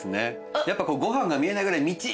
やっぱご飯が見えないぐらいミチって。